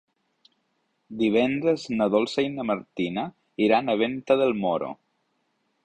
Divendres na Dolça i na Martina iran a Venta del Moro.